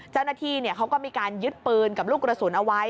เจ้าหน้าที่เขาก็มีการยึดปืนกับลูกกระสุนเอาไว้